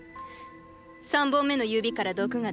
３本目の指から毒が出る。